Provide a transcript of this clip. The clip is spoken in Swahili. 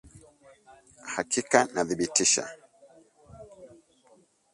Hakika nathibitisha